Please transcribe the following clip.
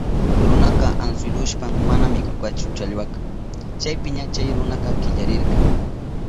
Runaka antsilushpan mana mikurkachu challwaka. Chaypiña chay runaka killarirka.